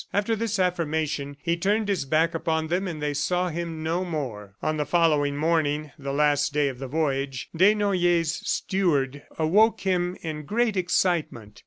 After this affirmation, he turned his back upon them and they saw him no more. On the following morning, the last day of the voyage. Desnoyers' steward awoke him in great excitement.